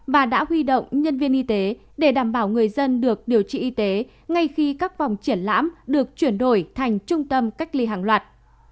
và đã huy động nhân viên y tế để đảm bảo người dân được điều trị y tế ngay khi các vòng triển lãm được chuyển đổi thành trung tâm cách ly hàng loạt